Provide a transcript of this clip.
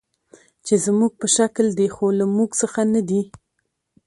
چې زموږ په شکل دي، خو له موږ څخه نه دي.